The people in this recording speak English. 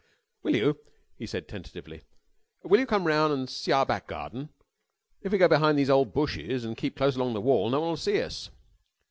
"Will you," he said tentatively, "will you come roun' an' see our back garden? If we go behind these ole bushes and keep close along the wall, no one'll see us."